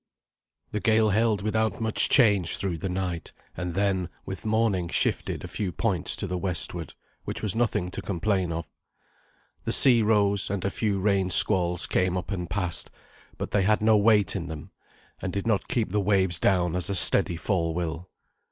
The gale held without much change through the night, and then with morning shifted a few points to the westward, which was nothing to complain of. The sea rose, and a few rain squalls came up and passed; but they had no weight in them, and did not keep the waves down as a steady fall will.